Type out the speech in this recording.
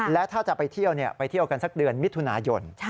และถ้าจะไปเที่ยวไปเที่ยวกันสักเดือนมิถุนายน